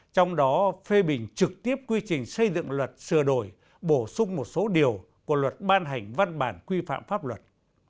trong đó phê bình trực tiếp quy trình xây dựng luật sửa đổi bổ sung một số điều của luật ban hành văn bản quy phạm pháp luật